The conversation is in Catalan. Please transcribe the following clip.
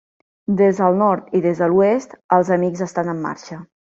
Des del nord i des de l'oest, els amics estan en marxa.